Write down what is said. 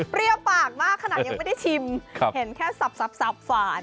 เรียกปากมากขนาดยังไม่ได้ชิมเห็นแค่สับหวาน